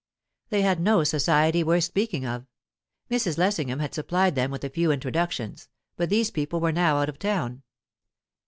They had no society worth speaking of. Mrs. Lessingham had supplied them with a few introductions, but these people were now out of town.